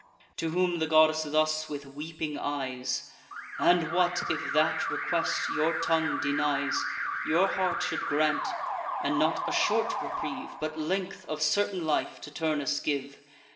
To whom the goddess thus, with weeping eyes: "And what if that request, your tongue denies, Your heart should grant; and not a short reprieve, But length of certain life, to Turnus give?